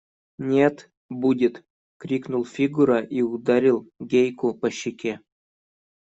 – Нет, будет! – крикнул Фигура и ударил Гейку по щеке.